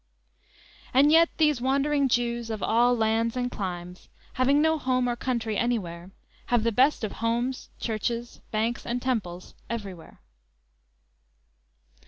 And yet these wandering Jews of all lands and climes, having no home or country anywhere, have the best of homes, churches, banks and temples everywhere.